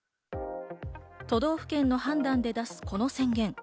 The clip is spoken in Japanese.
都道府県の判断で出すこの宣言。